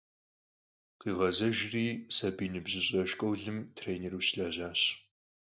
Khiğezejjri, sabiy - nıbjış'e şşkolım trênêru şılejaş.